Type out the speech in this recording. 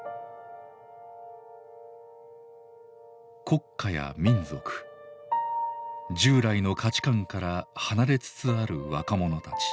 国家や民族従来の価値観から離れつつある若者たち。